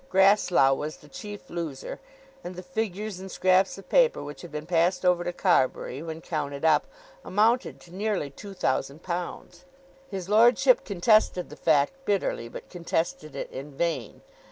Grasslough was the chief loser, and the figures and scraps of paper which had been passed over to Carbury, when counted up, amounted to nearly £2,000. His lordship contested the fact bitterly, but contested it in vain.